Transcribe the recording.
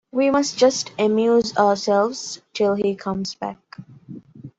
We must just amuse ourselves till he comes back.